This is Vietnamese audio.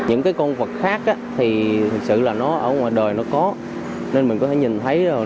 những cái con vật khác thì thực sự là nó ở ngoài đời nó có nên mình có thể nhìn thấy rồi